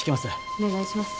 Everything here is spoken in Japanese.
お願いします。